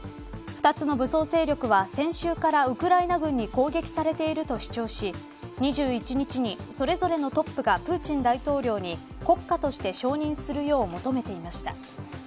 ２つの武装勢力は先週からウクライナ軍に攻撃されていると主張し２１日にそれぞれのトップがプーチン大統領に国家として承認するよう求めていました。